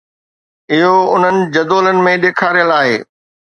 اهو انهن جدولن ۾ ڏيکاريل آهي